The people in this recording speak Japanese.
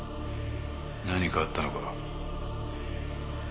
何かあったのか？